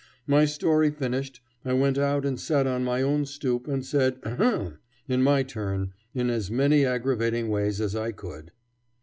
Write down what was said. My story finished, I went out and sat on my own stoop and said ahem! in my turn in as many aggravating ways as I could.